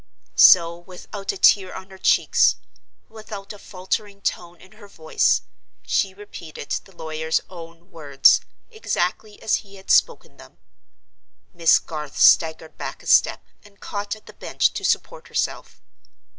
So, without a tear on her cheeks, without a faltering tone in her voice, she repeated the lawyer's own words, exactly as he had spoken them. Miss Garth staggered back a step and caught at the bench to support herself.